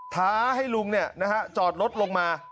ท้าให้ลุงจอดรถลงมา